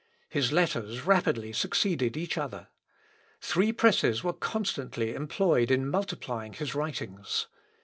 His letters rapidly succeeded each other. Three presses were constantly employed in multiplying his writings.